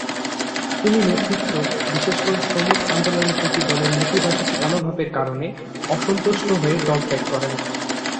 তিনি নেতৃত্ব, বিশেষ করে শ্রমিক আন্দোলনের প্রতি দলের নেতিবাচক মনোভাবের কারণে অসন্তুষ্ট হয়ে দল ত্যাগ করেন।